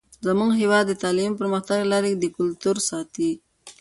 زموږ هیواد د تعلیمي پرمختګ له لارې د کلتور ساتئ.